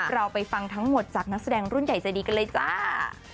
เราไปฟังทั้งหมดจากนักแสดงรุ่นใหญ่ใจดีกันเลยจ้า